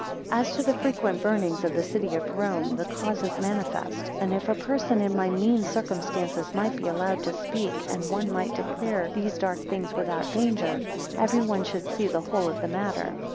5 As to the frequent burnings of the city of Rome, the cause is manifest; and if a person in my mean circumstances might be allowed to speak, and one might declare these dark things without danger, every one should see the whole of the matter.